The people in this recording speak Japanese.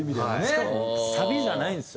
しかもサビじゃないんですよね